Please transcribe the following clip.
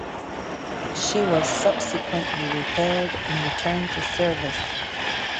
She was subsequently repaired and returned to service.